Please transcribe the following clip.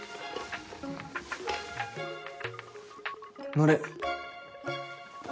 乗れ。